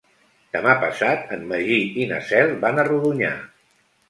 Demà passat en Magí i na Cel van a Rodonyà.